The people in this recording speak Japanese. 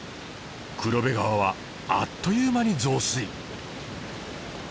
黒部川はあっという間に増水。